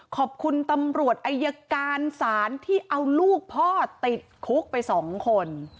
ขอบคุณตำรวจอายการศาลที่เอาลูกพ่อติดคุกไป๒คน